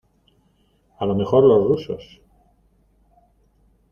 a lo mejor los rusos